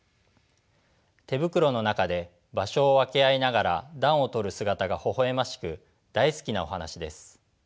手袋の中で場所を分け合いながら暖を取る姿がほほ笑ましく大好きなお話です。